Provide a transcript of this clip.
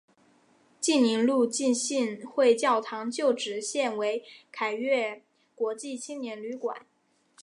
济宁路浸信会教堂旧址现为凯越国际青年旅馆。